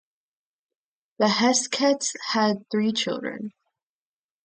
The Heskeths had three children.